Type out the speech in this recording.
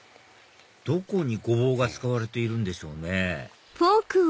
どこにゴボウが使われているんでしょうね